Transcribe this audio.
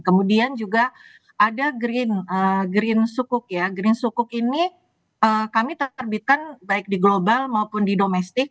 kemudian juga ada green sukuk ya green sukuk ini kami terbitkan baik di global maupun di domestik